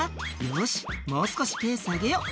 「よしもう少しペース上げよ」